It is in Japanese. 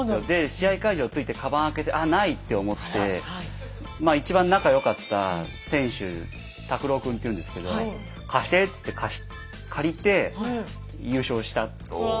試合会場着いてかばん開けて「ああない」って思ってまあ一番仲良かった選手タクロウ君っていうんですけど「貸して」っつって借りて優勝したっていう。